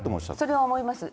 それは思います。